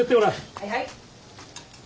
はいはい。